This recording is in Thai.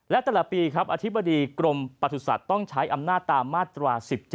และตลาดปีอธิบดีกรมป่าสุดสัตว์ต้องใช้อำนาจตามมาตรวา๑๗